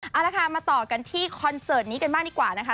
เอาละค่ะมาต่อกันที่คอนเสิร์ตนี้กันบ้างดีกว่านะคะ